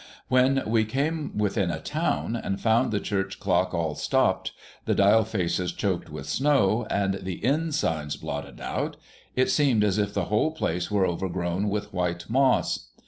When we came within a town, and found the church clocks all stopped, the dial faces choked with snow, and the inn signs blotted out, it seemed as if the whole place were overgrown witli white moss.